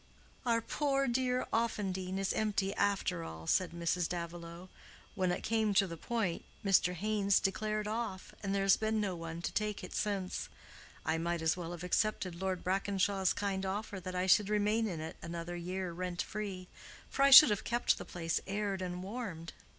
"Our poor dear Offendene is empty after all," said Mrs. Davilow. "When it came to the point, Mr. Haynes declared off, and there has been no one to take it since. I might as well have accepted Lord Brackenshaw's kind offer that I should remain in it another year rent free: for I should have kept the place aired and warmed."